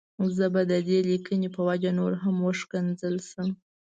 زه به د دې ليکنې په وجه نور هم وشکنځل شم.